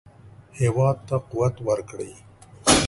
هېواد ته قوت ورکړئ